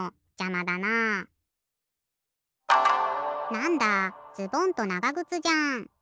なんだズボンとながぐつじゃん。